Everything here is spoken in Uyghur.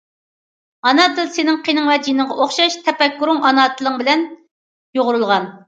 ئانا تىل سېنىڭ قېنىڭ ۋە جېنىڭغا ئوخشاش، تەپەككۇرۇڭ ئانا تىلىڭ بىلەن يۇغۇرۇلغان.